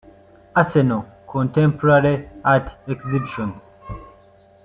Arsenal: contemporary art exhibitions.